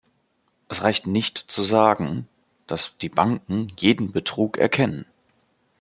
Es reicht nicht, zu sagen, dass die Banken jeden Betrug erkennen.